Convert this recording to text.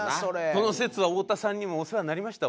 その節は太田さんにもお世話になりました